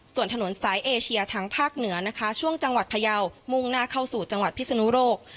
ส่วนถนนสายเอเชียทางภาคเหนือนะคะช่วงจังหวัดพยาวมุ่งหน้าเข้าสู่จังหวัดพิศนุโลก